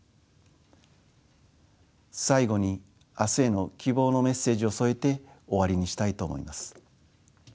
最後に明日への希望のメッセージを添えて終わりにしたいと思います。